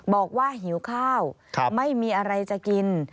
บอกว่าหิวข้าวไม่มีอะไรจะกิน